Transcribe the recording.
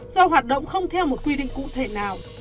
do hoạt động không theo một quy định cụ thể nào